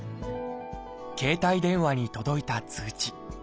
携帯電話に届いた通知。